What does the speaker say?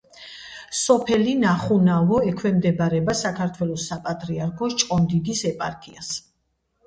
სოფელი ნახუნავო ექვემდებარება საქართველოს საპატრიარქოს ჭყონდიდის ეპარქიას.